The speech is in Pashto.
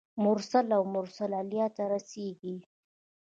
مرسل او مرسل الیه ته رسیږي.